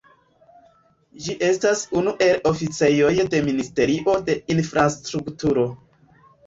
Ĝi estas unu el oficejoj de ministerio de infrastrukturo.